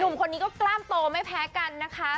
คนนี้ก็กล้ามโตไม่แพ้กันนะคะ